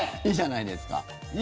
いいじゃないですか。